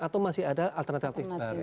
atau masih ada alternatif